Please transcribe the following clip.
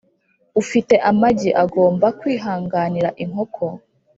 ufite amagi agomba kwihanganira inkoko.